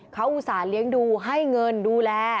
เขาอุตส่าห์เลี้ยงดูให้เงินดูแล